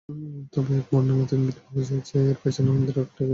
তবে এক বর্ণনামতে ইঙ্গিত পাওয়া যায় যে, এর পেছনে হিন্দার কুটচাল ছিল।